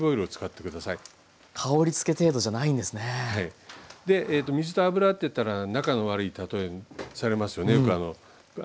で水と油っていったら仲の悪い例えされますよねよく。